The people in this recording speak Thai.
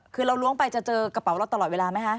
คือเราล้วงไปจะเจอกระเป๋าเราตลอดเวลาไหมคะ